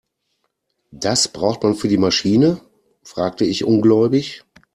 Das braucht man für die Maschine?, fragte ich ungläubig.